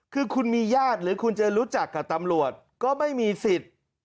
คือคุณมีญาติหรือคุณจะรู้จักกับตำรวจก็ไม่มีสิทธิ์